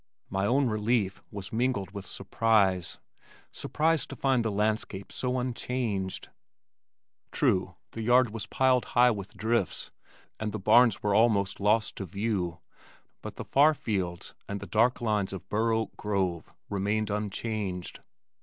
My own relief was mingled with surprise surprise to find the landscape so unchanged. True, the yard was piled high with drifts and the barns were almost lost to view but the far fields and the dark lines of Burr Oak Grove remained unchanged.